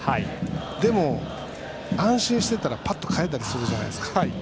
でも安心してたらパッと代えたりするじゃないですか。